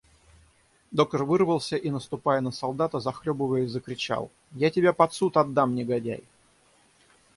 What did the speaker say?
Доктор вырвался и, наступая на солдата, захлебываясь, закричал: — Я тебя под суд отдам, негодяй!